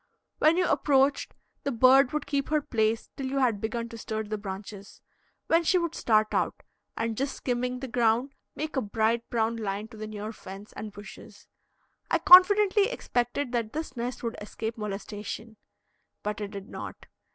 When you approached, the bird would keep her place till you had begun to stir the branches, when she would start out, and, just skimming the ground, make a bright brown line to the near fence and bushes. I confidently expected that this nest would escape molestation, but it did not.